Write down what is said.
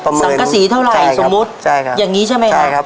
สังกษีเท่าไหร่สมมุติใช่ครับอย่างนี้ใช่ไหมครับใช่ครับ